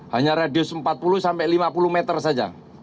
hanya radius empat puluh sampai lima puluh meter saja